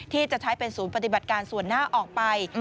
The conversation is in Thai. ที่จะใช้เป็นศูนย์ปฏิบัติการส่วนหน้าออกไป